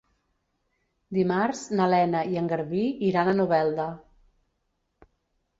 Dimarts na Lena i en Garbí iran a Novelda.